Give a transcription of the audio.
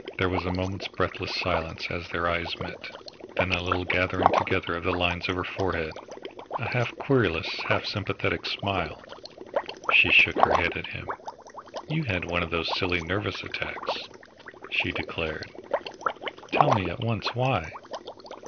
There was a moment's breathless silence as their eyes met, then a little gathering together of the lines of her forehead, a half querulous, half sympathetic smile. She shook her head at him. "You've had one of those silly nervous attacks," she declared. "Tell me at once why?"